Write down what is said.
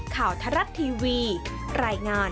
ข่าวทรัศน์ทีวีรายงาน